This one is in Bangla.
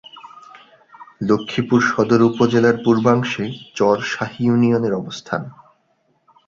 লক্ষ্মীপুর সদর উপজেলার পূর্বাংশে চর শাহী ইউনিয়নের অবস্থান।